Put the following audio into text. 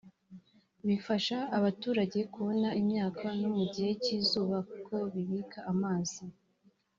bifasha abaturage kubona imyaka no mu gihe cy’izuba kuko bibika amazi